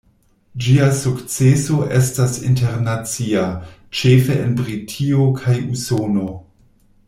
Ĝia sukceso estas internacia, ĉefe en Britio kaj Usono.